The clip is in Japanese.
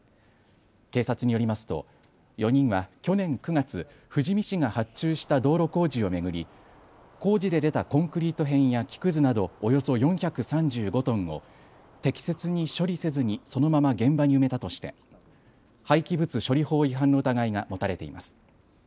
警察によりますと４人は去年９月、富士見市が発注した道路工事を巡り工事で出たコンクリート片や木くずなどおよそ４３５トンを適切に処理せずにそのまま現場に埋めたとして廃棄物処理法違反の疑いが持たれています。